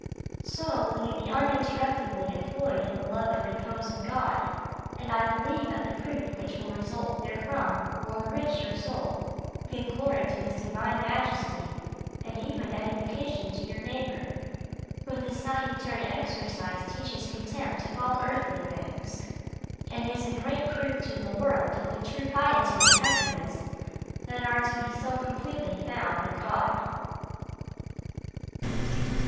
So will you be uninterruptedly employed in the love and repose of God, and I believe that the fruit which will result therefrom will enrich your soul, give glory to His divine Majesty, and even edification to your neighbour, for this salutary exercise teaches contempt of all earthly things, and is a great proof to the world of the true piety and happiness that are to be so completely found in God.